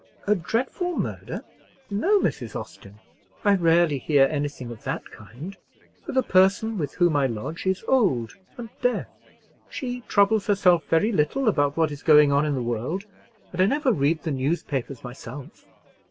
"A dreadful murder—no, Mrs. Austin; I rarely hear anything of that kind; for the person with whom I lodge is old and deaf. She troubles herself very little about what is going on in the world, and I never read the newspapers myself."